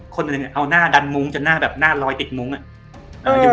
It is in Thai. คนหนึ่งเอาหน้าดันมุ้งจนหน้าแบบหน้าลอยติดมุ้งอ่ะ